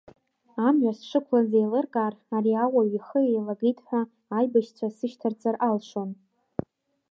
Амҩа сшықәлаз еилыркаар, ари ауаҩ ихы еилагеит ҳәа аибашьцәа сышьҭарҵар алшон.